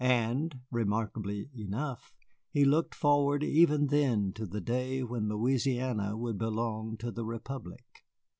And (remarkably enough) he looked forward even then to the day when Louisiana would belong to the republic.